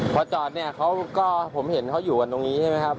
พอจอดเขาก็ผมเห็นเขาอยู่ตรงนี้ใช่ไหมครับ